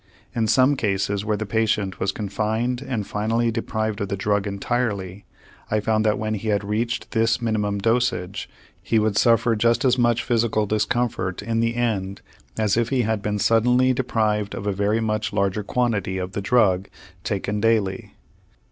In some cases where the patient was confined and finally deprived of the drug entirely I found that when he had reached this minimum dosage he would suffer just as much physical discomfort in the end as if he had been suddenly deprived of a very much larger quantity of the drug taken daily.